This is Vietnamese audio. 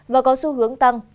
và có xu hướng tăng